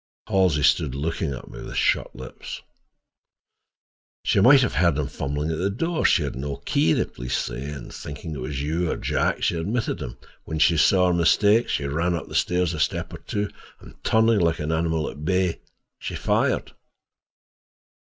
Halsey stood looking at me with shut lips. "She might have heard him fumbling at the door he had no key, the police say—and thinking it was you, or Jack, she admitted him. When she saw her mistake she ran up the stairs, a step or two, and turning, like an animal at bay, she fired."